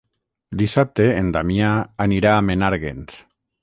Dissabte en Damià anirà a Menàrguens.